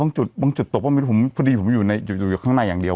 แล้วบางจุดตกผมไม่รู้ดีอยู่ข้างในอย่างเดียว